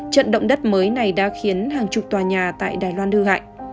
trận động đất mới này đã khiến hàng chục tòa nhà tại đài loan hư hại